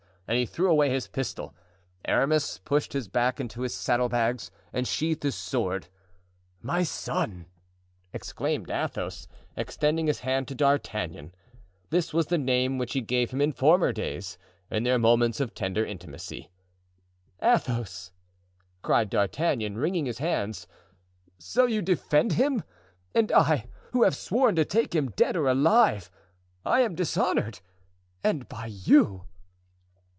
And he threw away his pistol. Aramis pushed his back into his saddle bags and sheathed his sword. "My son!" exclaimed Athos, extending his hand to D'Artagnan. This was the name which he gave him in former days, in their moments of tender intimacy. "Athos!" cried D'Artagnan, wringing his hands. "So you defend him! And I, who have sworn to take him dead or alive, I am dishonored—and by you!"